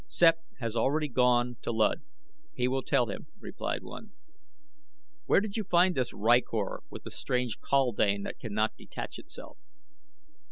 "Sept has already gone to Luud. He will tell him," replied one. "Where did you find this rykor with the strange kaldane that cannot detach itself?"